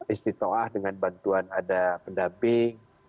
istiqa ah dengan bantuan ada pendamping